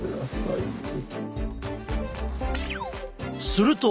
すると！